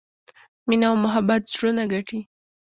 مینه او محبت زړونه ګټي.